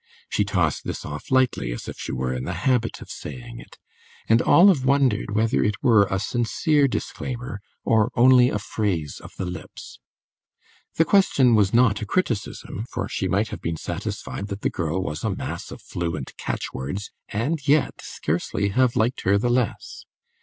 She tossed this off lightly, as if she were in the habit of saying it, and Olive wondered whether it were a sincere disclaimer or only a phrase of the lips. The question was not a criticism, for she might have been satisfied that the girl was a mass of fluent catch words and yet scarcely have liked her the less.